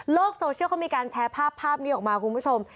โลกโซเชียลก็มีการแชร์ภาพนี้ออกมาครับคุณผู้ชม